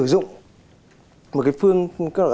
đéc dạy sử dụng một cái phương đó là một cái cách